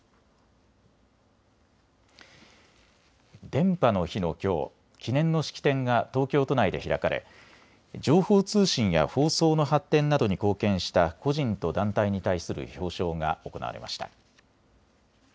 電波の日のきょう、記念の式典が東京都内で開かれ情報通信や放送の発展などに貢献した個人と団体に対する表彰が行われました。